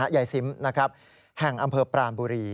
ยายซิมนะครับแห่งอำเภอปรานบุรี